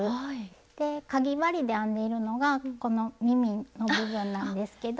でかぎ針で編んでいるのがこの耳の部分なんですけど。